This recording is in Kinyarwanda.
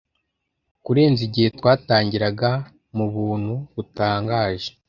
Kurenza igihe twatangiraga m'Ubuntu butangaje